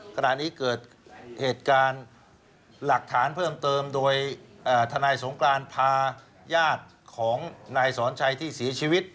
ขณะนี้เกิดเหตุการณ์หลักฐานเพิ่มเติมโดยทนายสงกรานพาญาติของนายสอนชัยที่เสียชีวิต